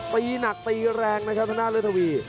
ตีหนักตีแรงนะครับทนาเลือดทวี